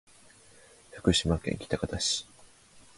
福島県喜多方市